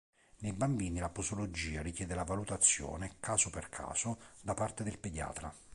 Nei bambini la posologia richiede la valutazione, caso per caso, da parte del pediatra.